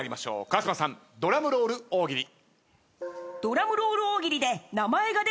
川島さんドラムロール大喜利。